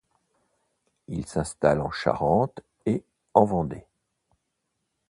Il s'installe en Charente et en Vendée.